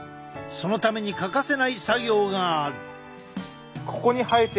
そのために欠かせない作業がある。